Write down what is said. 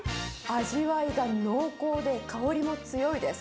味わいが濃厚で、香りも強いです。